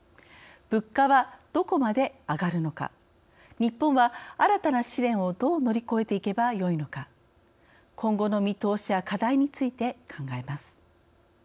物価はどこまで上がるのか日本は新たな試練をどう乗り越えていけばよいのか今後の見通しや課題について考えます。